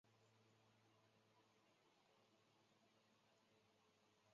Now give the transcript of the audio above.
比克费尔德是奥地利施蒂利亚州魏茨县的一个市镇。